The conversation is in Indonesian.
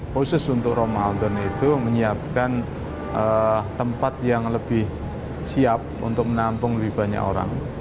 khusus untuk ramadan itu menyiapkan tempat yang lebih siap untuk menampung lebih banyak orang